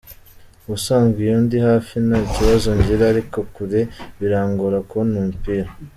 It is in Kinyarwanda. Ubusanzwe iyo ndi hafi, nta kibazo ngira, ariko kure birangora kubona umupira.